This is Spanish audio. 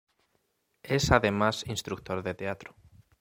Es además instructor de teatro.